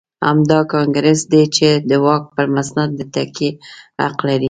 همدا کانګرېس دی چې د واک پر مسند د تکیې حق لري.